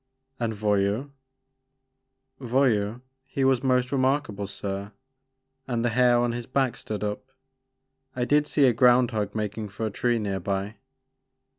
And Voyou?" Voyou, he was most remarkable sir, and the hair on his back stood up. I did see a ground hog makin* for a tree near by."